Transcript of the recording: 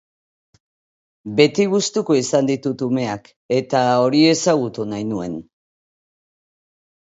Beti gustuko izan ditut umeak eta hori ezagutu nahi nuen.